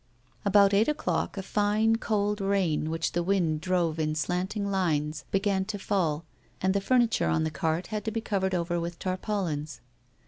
About eight o'clock a fine, cold rain, which the wind drove in slanting lines, began to fall, and the furniture on the cart had to be covered over with tarpaulins.